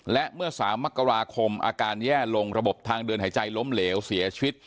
และเมื่อ๓มกราคมอาการแย่ลงระบบทางเดินหายใจล้มเหลวเสียชีวิต